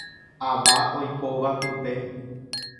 Ava oikóva pype.